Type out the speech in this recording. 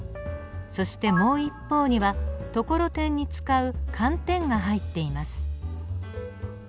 そしてもう一方にはところてんに使う寒天が入っています。